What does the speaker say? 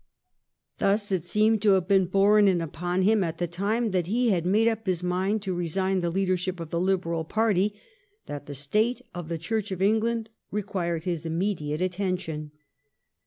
Thus it seemed to have been borne in upon him, at the time that he had made up his mind to resign the leadership of the Liberal party, that the state of the Church of England required his immediate attention.